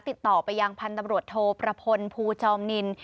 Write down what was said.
ติดต่อไปยังพันธบรวจโทประพลภูจอมนิน